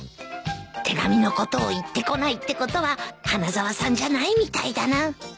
手紙のことを言ってこないってことは花沢さんじゃないみたいだな